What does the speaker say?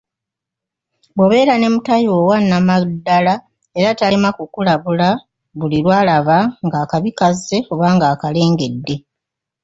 Bw'obeera ne mutaayi wo owannamaddala era talema kukulabula buli lwalaba nga akabi kazze oba ng'akalengedde